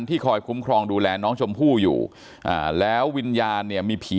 คอยคุ้มครองดูแลน้องชมพู่อยู่อ่าแล้ววิญญาณเนี่ยมีผี